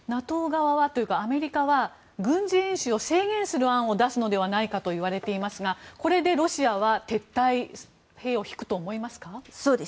ＮＡＴＯ側はというかアメリカは軍事演習を制限する案を出すのではないかとみられていましたがこれでロシアは撤退兵を引くと思いますか？